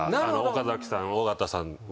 岡崎さん緒方さんは。